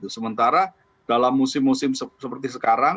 sementara dalam musim musim seperti sekarang